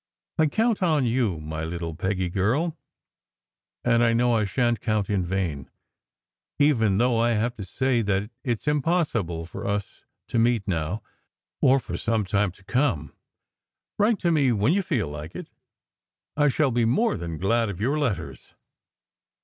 I count on you, my little Peggy girl, and I know I shan t count in vain, even though I have to say that it s impossible for us to meet now, or for some time to come. Write to me when you feel like it. I shall be more than glad of your letters."